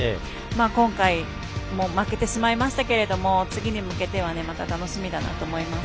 今回負けてしまいましたけれども次に向けてはまた楽しみだと思います。